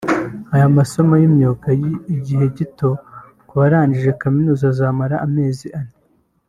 Aya masomo y’imyuga y’igihe gito ku barangije Kaminuza azamara amezi ane